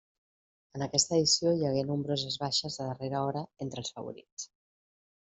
En aquesta edició hi hagué nombroses baixes de darrera hora entre els favorits.